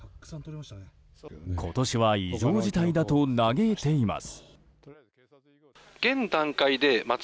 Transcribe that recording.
今年は異常事態だと嘆いています。